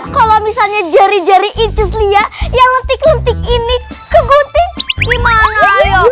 kalau misalnya jari jari incis lia yang lentik lentik ini kegunting gimana ayo